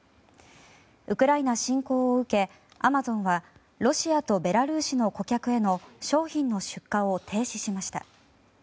ウクライナ侵攻を受けアマゾンはロシアとベラルーシの顧客への商品の出荷を停止しました。